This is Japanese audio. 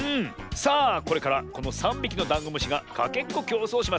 さあこれからこの３びきのダンゴムシがかけっこきょうそうをします。